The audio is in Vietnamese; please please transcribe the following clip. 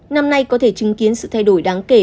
năm nay có thể chứng kiến sự thay đổi đáng kể